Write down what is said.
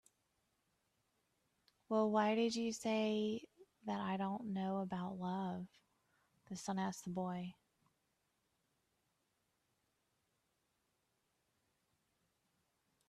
"Well, why did you say that I don't know about love?" the sun asked the boy.